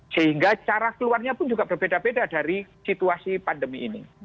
sehingga cara keluarnya pun juga berbeda beda dari situasi pandemi ini